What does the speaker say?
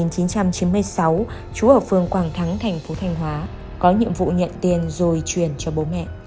trú ở phương quảng thắng thành phố thanh hóa có nhiệm vụ nhận tiền rồi truyền cho bố mẹ